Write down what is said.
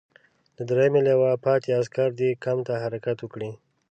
د دریمې لواء پاتې عسکر دې کمپ ته حرکت وکړي.